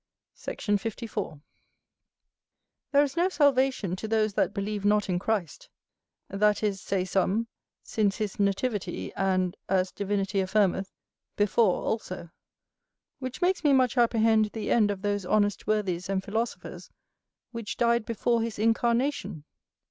Sect. 54. There is no salvation to those that believe not in Christ; that is, say some, since his nativity, and, as divinity affirmeth, before also; which makes me much apprehend the end of those honest worthies and philosophers which died before his incarnation.